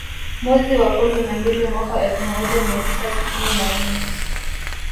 Mwezi wa kumi na mbili mwaka Elfu moja mia tisa sitini na nne